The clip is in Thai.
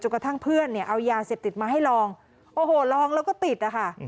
กระทั่งเพื่อนเนี่ยเอายาเสพติดมาให้ลองโอ้โหลองแล้วก็ติดนะคะ